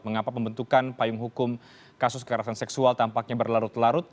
mengapa pembentukan payung hukum kasus kekerasan seksual tampaknya berlarut larut